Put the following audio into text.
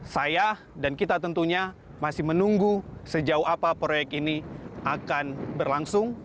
saya dan kita tentunya masih menunggu sejauh apa proyek ini akan berlangsung